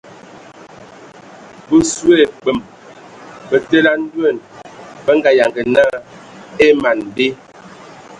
Bə soe a kpəm bətele a ndoan bə nga yanga na e man be.